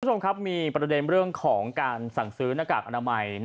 คุณผู้ชมครับมีประเด็นเรื่องของการสั่งซื้อหน้ากากอนามัย